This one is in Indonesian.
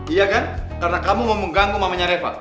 iya kan karena kamu mau mengganggu mamanya reva